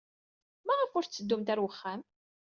Maɣef ur tetteddumt ɣer wexxam?